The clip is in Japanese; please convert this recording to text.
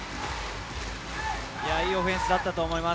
いいオフェンスだったと思います。